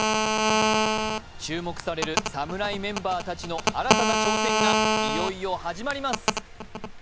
注目される侍メンバーたちの新たな挑戦がいよいよ始まります。